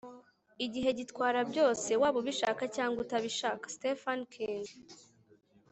igihe gitwara byose, waba ubishaka cyangwa utabishaka. - stephen king